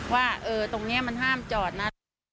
ว่าตรงนี้มันห้ามจอดนะ